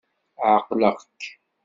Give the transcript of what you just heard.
Ɛeqleɣ-k.